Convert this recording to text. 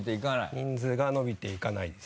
人数が伸びていかないです。